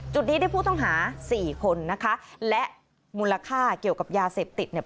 จุดนี้ได้ผู้ต้องหาสี่คนนะคะและมูลค่าเกี่ยวกับยาเสพติดเนี่ย